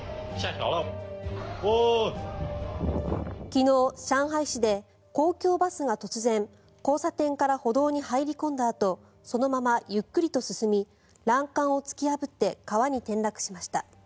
昨日、上海市で公共バスが突然交差点から歩道に入り込んだあとそのままゆっくりと進み欄干を突き破って川に転落しました。